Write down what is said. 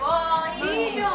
いいじゃん！